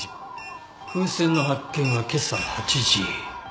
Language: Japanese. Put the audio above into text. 風船の発見は今朝８時。